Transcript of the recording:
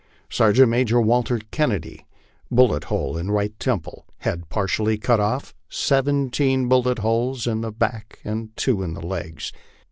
" Sergeant Major Walter Kennedy, bullet hole in right temple, head partly cut off, seventeen bullet holes in back, and two in legs.